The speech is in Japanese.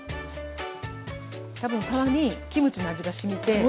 多分さばにキムチの味がしみて。